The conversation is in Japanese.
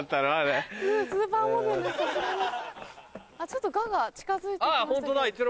ちょっと「が」が近づいて来ました。